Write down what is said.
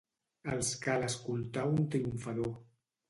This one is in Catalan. Els cal escoltar un triomfador.